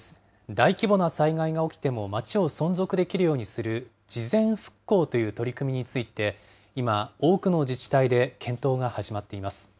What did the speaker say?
大規模な災害が起きても町を存続できるようにする事前復興という取り組みについて、今、多くの自治体で検討が始まっています。